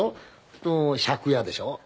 すると借家でしょ。